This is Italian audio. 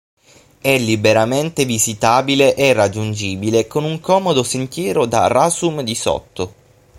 È liberamente visitabile e raggiungibile con un comodo sentiero da Rasun di Sotto.